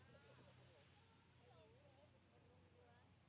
โปรดติดตามตอนต่อไป